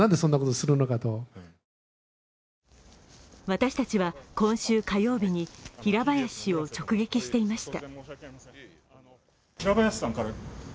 私たちは今週火曜日に平林氏を直撃していました。